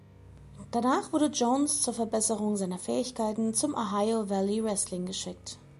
Danach wurde Jones zur Verbesserung seiner Fähigkeiten zum Ohio Valley Wrestling geschickt.